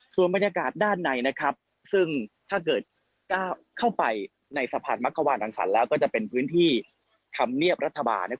ส่วนบรรยากาศด้านในซึ่งถ้าเกิดก้าวเข้าไปในสะพานมักขวานรังสรรคแล้วก็จะเป็นพื้นที่ธรรมเนียบรัฐบาล